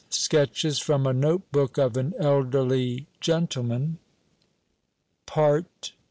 SKETCHES FROM A NOTE BOOK OF AN ELDERLY GENTLEMAN.